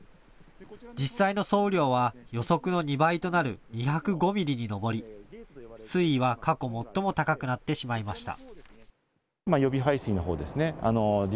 実際の総雨量は予測の２倍となる２０５ミリに上り水位は過去最も高くなってしまいました。